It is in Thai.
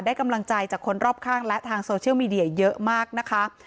กำลังใจจากคนรอบข้างและทางโซเชียลมีเดียเยอะมากนะคะ